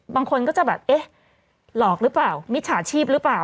บางคนก็จะแบบเอ๊ะหลอกหรือเปล่ามิจฉาชีพหรือเปล่า